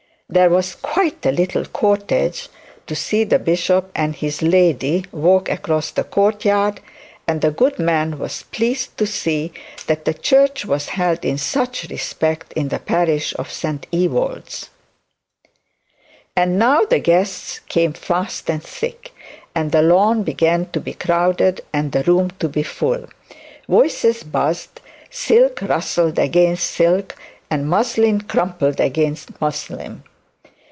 There was quite a little cortege to see the bishop and his 'lady' walk across the courtyard, and the good man was pleased to see that the church was held in such respect in the parish of St Ewold's. And now the guests came fast and thick, and the lawn began to be crowded, and the room to be full. Voices buzzed, silk rustled against silk, and muslin crumpled against muslin.